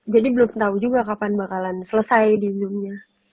jadi belum tahu juga kapan bakalan selesai di zoom nya